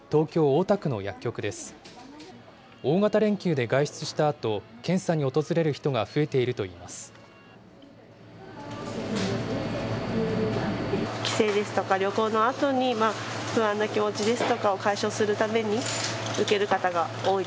大型連休で外出したあと、検査に訪れる人が増えているといいます。